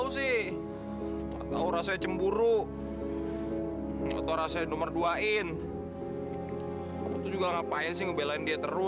sampai jumpa di video selanjutnya